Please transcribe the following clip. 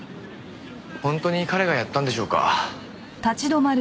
本当に彼がやったんでしょうか。